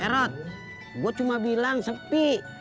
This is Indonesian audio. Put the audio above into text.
eh rod gua cuma bilang sepi